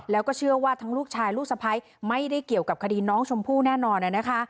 แล้วก็เชื่อว่าทั้งลูกชายลูกสะพ้ายไม่ได้เกี่ยวกับคดีน้องชมพู่แน่นอนนะคะ